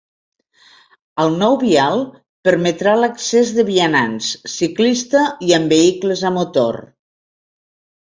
El nou vial permetrà l’accés de vianants, ciclista i amb vehicles a motor.